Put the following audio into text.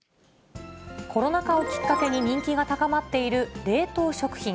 コロナ禍をきっかけに人気が高まっている冷凍食品。